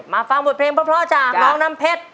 ฟังบทเพลงเพราะจากน้องน้ำเพชร